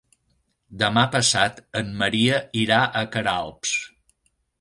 Demà passat en Maria irà a Queralbs.